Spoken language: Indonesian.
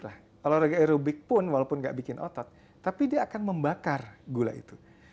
olahraga aerobik pun walaupun gak bikin otot tapi dia akan membakar gula itu